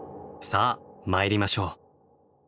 さあ参りましょう。